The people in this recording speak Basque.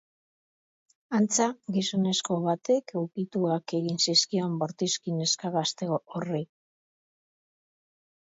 Antza, gizonezko batek ukituak egin zizkion bortizki neska gazte horri.